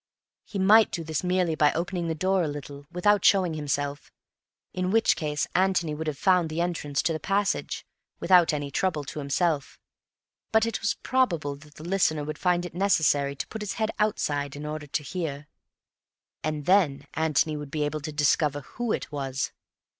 He might do this merely by opening the door a little without showing himself, in which case Antony would have found the entrance to the passage without any trouble to himself. But when Bill turned his head and talked over the back of the seat, it was probable that the listener would find it necessary to put his head outside in order to hear, and then Antony would be able to discover who it was.